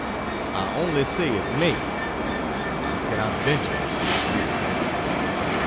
I only say it may I cannot venture to say it will.